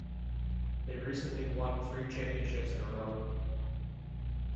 They recently won three championships in a row.